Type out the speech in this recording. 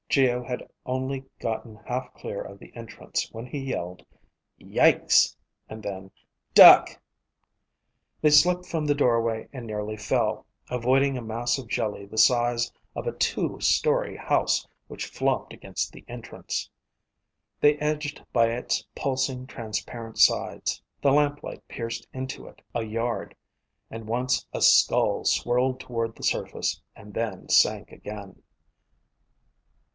Geo had only gotten half clear of the entrance when he yelled, "Yikes," and then, "Duck!" They slipped from the doorway and nearly fell, avoiding a mass of jelly the size of a two story house which flopped against the entrance. They edged by its pulsing, transparent sides. The lamp light pierced into it a yard, and once a skull swirled toward the surface and then sank again.